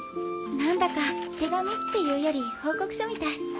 何だか手紙っていうより報告書みたい。